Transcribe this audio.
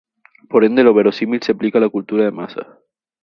Por ende lo verosímil se aplica a la cultura de masas.